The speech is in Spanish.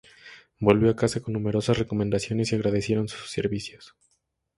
Volvió a casa con numerosas recomendaciones, y agradecieron sus servicios.